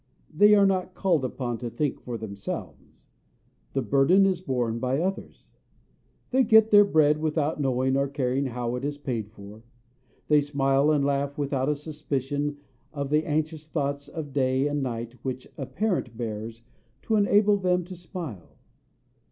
They are not called upon to think for themselves: the burden is borne by others. They get their bread without knowing or caring how it is paid for: they smile and laugh without a suspicion of the anxious thoughts of day and night which a parent bears to enable them to smile.